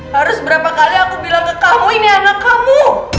harus berapa kali aku bilang ke kamu ini anak kamu